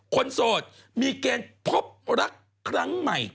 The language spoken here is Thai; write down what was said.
โสดมีเกณฑ์พบรักครั้งใหม่